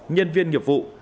nhân viên nghiệp vụ